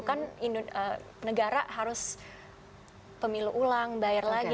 kan negara harus pemilu ulang bayar lagi